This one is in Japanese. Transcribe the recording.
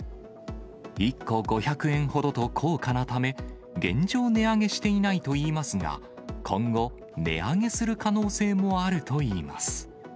１個５００円ほどと高価なため、現状値上げしていないといいますが、今後、値上げする可能性もあるといいます。